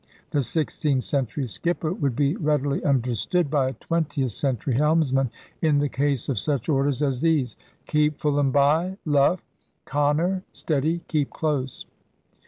The sixteenth century skipper would be readily understood by a twentieth century helmsman in the case of such orders as these: Keep full and by! Luff! Conker! Steady! Keep close!